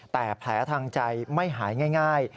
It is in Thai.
แต่แผลทางใจไม่หายง่าย